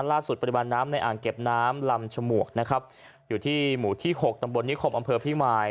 ปริมาณน้ำในอ่างเก็บน้ำลำฉมวกนะครับอยู่ที่หมู่ที่หกตำบลนิคมอำเภอพิมาย